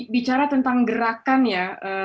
bicara tentang gerakan ya